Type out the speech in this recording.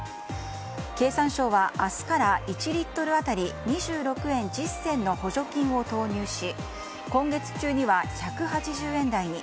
経産省は明日から１リットル当たり２６円１０銭の補助金を投入し今月中には１８０円台に。